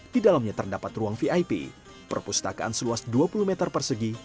di dalamnya terdapat ruang vip perpustakaan seluas dua puluh meter persegi